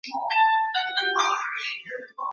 Hiyo ni sawa pia.